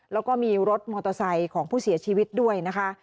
แล้วก็มีรถมอเตอร์ไซค์ของผู้เสียชีวิตด้วยนะคะ